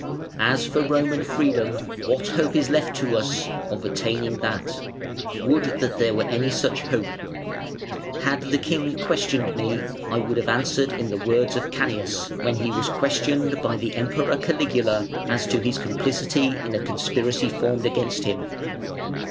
As for Roman freedom, what hope is left to us of attaining that? Would that there were any such hope. Had the King questioned me, I would have answered in the words Canius, when he was questioned by the Emperor Caligula as to his complicity in a a conspiracy formed against him.